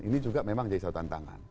ini juga memang jadi suatu tantangan